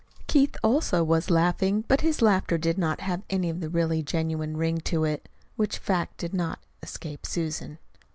Keith also was laughing, but his laughter did not have the really genuine ring to it which fact did not escape Susan.